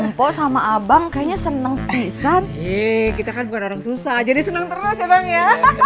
empok sama abang kayaknya seneng pisan kita kan orang susah jadi seneng seneng ya